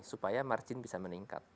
supaya margin bisa meningkat